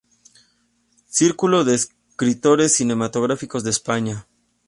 Círculo de escritores cinematográficos de España.